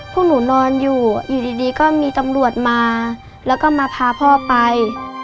พวกหนูนอนอยู่อยู่ดีก็มีตำรวจมาแล้วก็มาพาพ่อไป